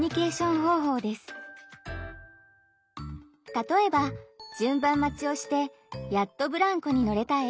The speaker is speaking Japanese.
例えば順番待ちをしてやっとブランコに乗れたＡさん。